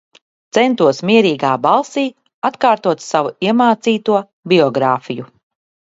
Centos mierīgā balsī atkārtot savu iemācīto biogrāfiju.